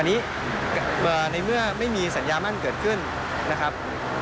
อันนี้ในเมื่อไม่มีสัญญามั่นเกิดขึ้นนะครับ